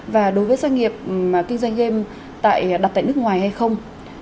và đối với doanh nghiệp kinh doanh game đặt tại nước ngoài hay không